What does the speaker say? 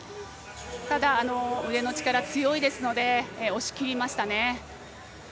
ただ、腕の力が強いですので押し切りましたね。